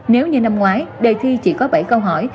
nếu như năm ngoái đề thi chỉ có bảy câu hỏi